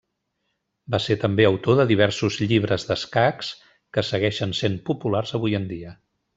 Va ser també autor de diversos llibres d'escacs que segueixen sent populars avui en dia.